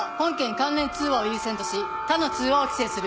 関連通話を優先とし他の通話を規制する。